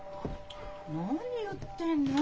何言ってるの。